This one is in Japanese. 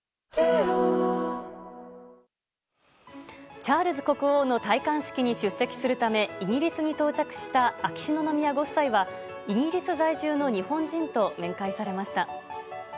チャールズ国王の戴冠式に出席するためイギリスに到着した秋篠宮ご夫妻はイギリス在住の日本人と面会されました。